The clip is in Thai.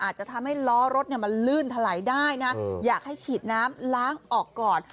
อาจจะทำให้ล้อรถมันลื่นถลายได้นะอยากให้ฉีดน้ำล้างออกก่อน